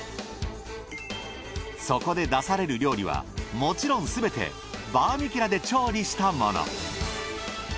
そこで出される料理はもちろんすべてバーミキュラで調理したもの。